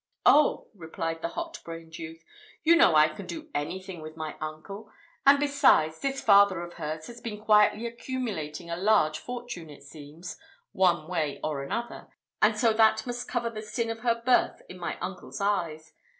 "Oh!" replied the hot brained youth, "you know I can do anything with my uncle; and besides, this father of hers has been quietly accumulating a large fortune, it seems, one way or another; and so that must cover the sin of her birth in my uncle's eyes.